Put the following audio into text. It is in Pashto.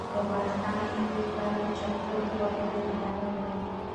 د افغانستان نفوذ تر نیشاپوره پورې رسېدلی و.